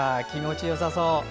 気持ちよさそう。